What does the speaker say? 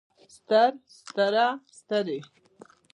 ستر ستره سترې